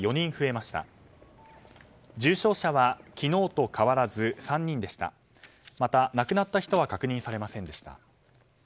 また、亡くなった人は確認されませんでした。